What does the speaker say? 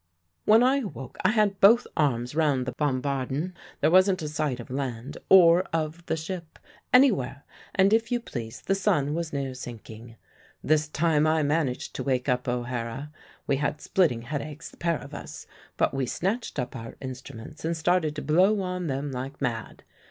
"When I awoke I had both arms round the bombardon; there wasn't a sight of land, or of the ship, anywhere; and, if you please, the sun was near sinking! This time I managed to wake up O'Hara. We had splitting headaches, the pair of us; but we snatched up our instruments and started to blow on them like mad.